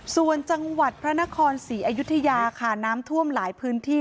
ส่วนจังหวัดพระนครศรีอยุธยาค่ะน้ำท่วมหลายพื้นที่